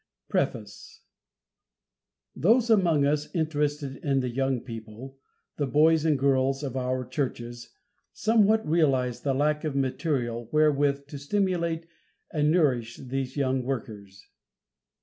PREFACE. Those among us interested in the young people, the boys and girls of our Churches, somewhat realize the lack of material wherewith to stimulate and nourish these young workers.